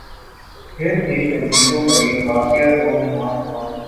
پھر ایک عجیب و غریب واقعہ رُونما ہوا